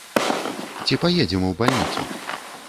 Ці паедзем у бальніцу?